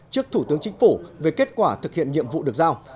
trước thủ tướng chính phủ về kết quả thực hiện nhiệm vụ được giao